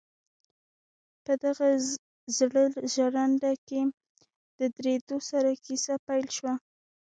په دغه زړه ژرنده کې له درېدو سره کيسه پيل شوه.